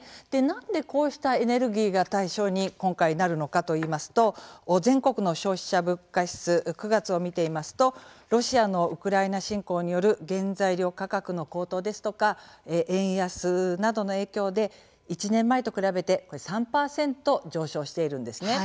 なんでこうしたエネルギーが対象に今回なるのかといいますと全国の消費者物価指数９月を見てみますとロシアのウクライナ侵攻による原材料価格の高騰ですとか円安などの影響で１年前と比べて３％上昇しているんですね。